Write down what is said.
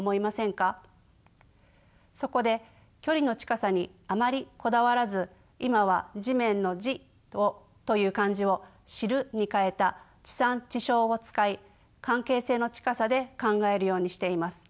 そこで距離の近さにあまりこだわらず今は地面の「地」という漢字を「知る」に変えた「知産知消」を使い関係性の近さで考えるようにしています。